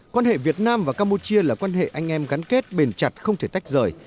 quan hệ việt nam và campuchia là quan hệ anh em gắn kết bền chặt không thể tách rời